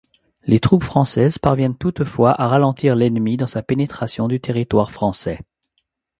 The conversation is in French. Les troupes françaises parviennent toutefois à ralentir l'ennemi dans sa pénétration du territoire français.